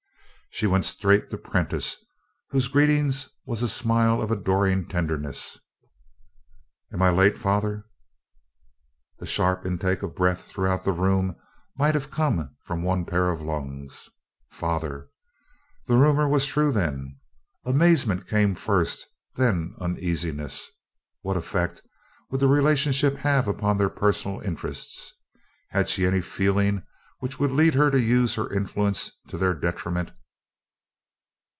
She went straight to Prentiss, whose greeting was a smile of adoring tenderness. "Am I late, father?" The sharp intake of breath throughout the room might have come from one pair of lungs. "Father!" The rumor was true then! Amazement came first, and then uneasiness. What effect would the relationship have upon their personal interests? Had she any feeling which would lead her to use her influence to their detriment?